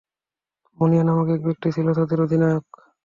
মুনিয়া নামক এক ব্যক্তি ছিল তাদের অধিনায়ক।